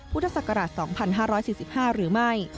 พุทธศักราช๒๕๔๕หรือไม่